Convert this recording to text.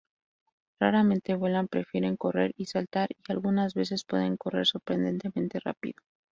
Raramente vuelan, prefieren correr y saltar y algunas veces pueden correr sorprendentemente rápido.